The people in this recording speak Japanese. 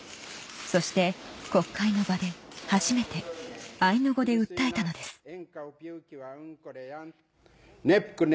そして国会の場で初めてアイヌ語で訴えたのです